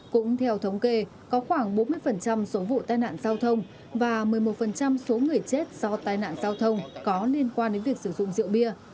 cũng theo thống kê có khoảng bốn mươi số vụ tai nạn giao thông và một mươi một số người chết do tai nạn giao thông có liên quan đến việc sử dụng rượu bia